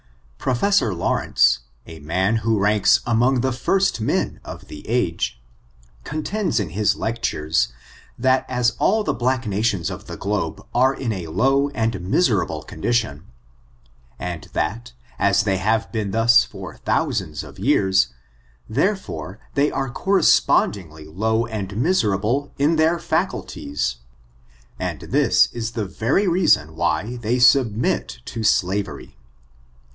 Professor Lawrence, a man who ranks amcmg the first men of the age, contends in his lectures, that as all the black nations of the globe are in a low and miserable condition; and that^ as they have been thus for thousands of years, therefore they are cor respondingly low and miserable in their /ocu^^iey, and is the very reason why they submit to slavery.